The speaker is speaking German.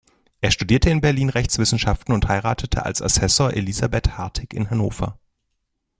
Er studierte in Berlin Rechtswissenschaften und heiratete als Assessor Elisabeth Hartig in Hannover.